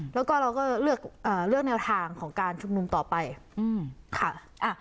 แล้วก็เราก็เลือกเอ่อเลือกแนวทางของการชุมนุมต่อไปอืมค่ะอ่า